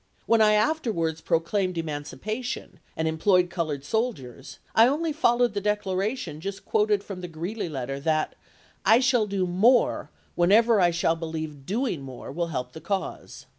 When I afterwards proclaimed emancipation, and employed colored soldiers, I only followed the declaration just quoted from the Greeley letter that ' I shall do more whenever I shall believe doing more will help the cause.'